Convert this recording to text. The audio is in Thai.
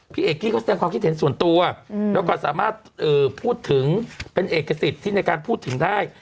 เอกกี้เขาแสดงความคิดเห็นส่วนตัวแล้วก็สามารถพูดถึงเป็นเอกสิทธิ์ที่ในการพูดถึงได้